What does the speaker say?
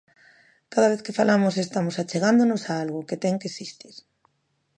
Cada vez que falamos, estamos achegándonos a algo, que ten que existir.